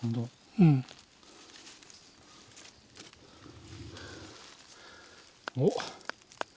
うん。おっ。